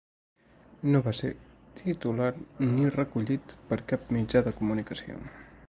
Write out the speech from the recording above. No va ser titular ni recollit per cap mitjà de comunicació.